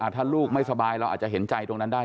ถ้าลูกไม่สบายเราอาจจะเห็นใจตรงนั้นได้